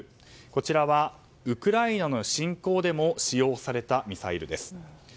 こちらはウクライナの侵攻でも使用されたミサイルです。